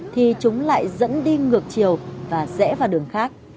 thì chúng lại dẫn đi ngược chiều và rẽ vào đường khác